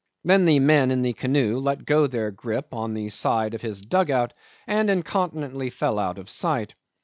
Then the men in the canoe let go their grip on the side of his dug out and incontinently fell out of sight.